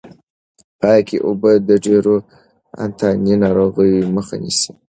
پاکې اوبه د ډېرو انتاني ناروغیو مخه نیسي.